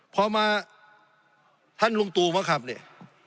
พอมาท่านลุงตู่มาขับเนี่ย